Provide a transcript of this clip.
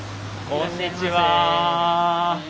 こんにちは！